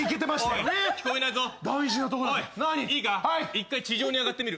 １回地上に上がってみる。